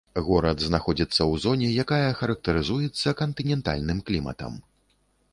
Горад знаходзіцца ў зоне, якая характарызуецца кантынентальным кліматам.